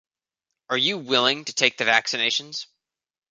Are you willing to take the vaccinations?